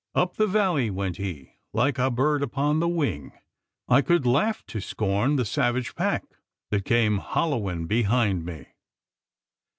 Up the valley went he, like a bird upon the wing. I could laugh to scorn the savage pack that came hallooing behind me.